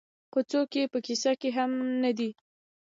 خو څوک یې په کيسه کې هم نه دي.